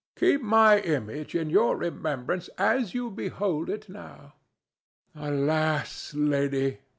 "Keep my image in your remembrance as you behold it now." "Alas, lady!"